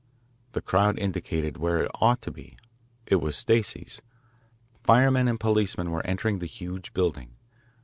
The crowd indicated where it ought to be it was Stacey's. Firemen and policemen were entering the huge building.